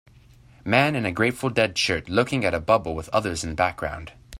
Man in a Grateful Dead shirt looking at a bubble with others in background.